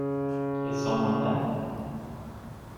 Is someone there?